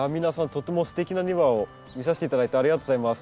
とってもすてきな庭を見させて頂いてありがとうございます。